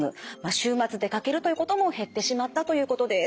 週末出かけるということも減ってしまったということです。